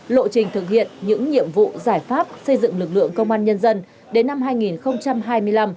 lộ trình thực hiện những nhiệm vụ giải pháp xây dựng lực lượng công an nhân dân đến năm hai nghìn hai mươi năm